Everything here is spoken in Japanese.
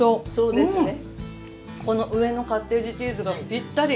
この上のカッテージチーズがぴったり！